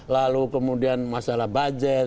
lalu kemudian masalah budget